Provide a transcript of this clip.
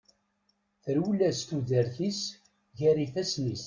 Terwel-as tudert-is gar ifasen-is.